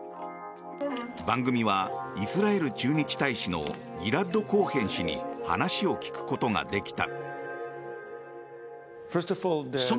番組はイスラエル駐日大使のギラッド・コーヘン氏に話を聞くことができた。